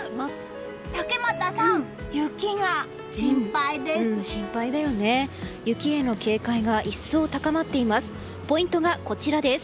竹俣さん、雪が心配です。